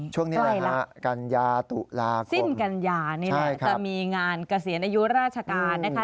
ช่วงนี้ใกล้แล้วครับสิ้นกัญญานี่แหละแต่มีงานเกษียณอายุราชการนะคะ